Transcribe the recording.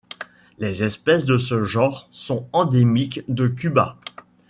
Les espèces de ce genre sont endémiques de Cuba.